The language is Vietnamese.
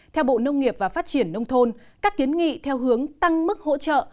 theo bộ nông nghiệp và phát triển nông thôn các kiến nghị theo hướng tăng mức hỗ trợ